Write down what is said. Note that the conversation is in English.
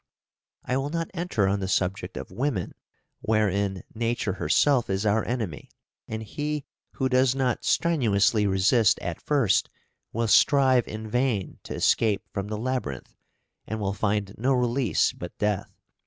I will not enter on the subject of women, wherein nature herself is our enemy, and he who does not strenuously resist at first will strive in vain to escape from the labyrinth, and will find no release but death.